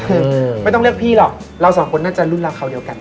อืมไม่ต้องเลือกพี่หรอกเราสองคนน่าจะรุ่นลับเขาเดียวกัน